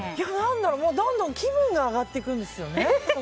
もうどんどん気分が上がっていくんですよね。